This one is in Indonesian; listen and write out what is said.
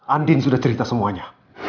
andien sudah cerita semuanya